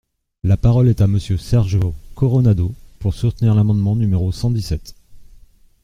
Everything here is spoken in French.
La parole est à Monsieur Sergio Coronado, pour soutenir l’amendement numéro cent dix-sept.